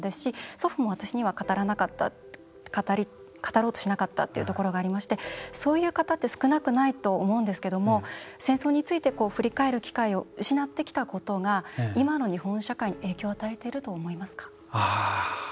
私自身も戦争について、祖父に遠慮して聞くことができなかったですし祖父も私には語ろうとしなかったっていうところがありましてそういう人って少なくないと思うんですけれども戦争について振り返る機会を失ってきたということが今の日本社会に影響を与えていると思いますか？